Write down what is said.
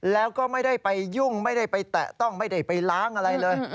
แล้วก็ไม่ได้ไปยุ่งไม่ได้ไปแตะต้องไม่ได้ไปล้างอะไรเลย